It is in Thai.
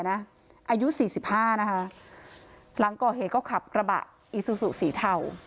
อายุ๔๕นะคะหลังก่อเหตุก็ขับกระบะอิสุสุสีเทา